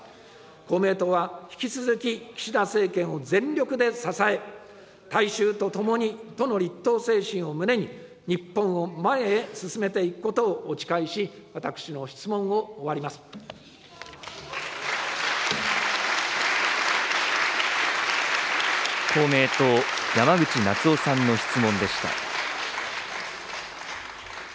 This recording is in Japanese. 公明党は、引き続き岸田政権を全力で支え、大衆とともにとの立党精神を胸に、日本を前へ進めていくことをお誓公明党、山口那津男さんの質問でした。